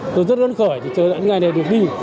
tôi rất ơn khởi chờ đến ngày này được đi